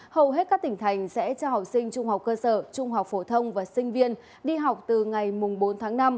hầu hết các tỉnh thành sẽ cho học sinh trung học cơ sở trung học phổ thông và sinh viên đi học từ ngày bốn tháng năm